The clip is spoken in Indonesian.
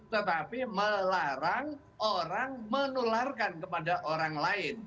tetapi melarang orang menularkan kepada orang lain